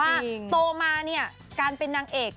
โตมาเนี่ยการเป็นนางเอก